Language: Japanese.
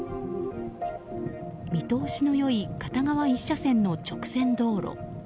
見通しの良い片側１車線の直線道路。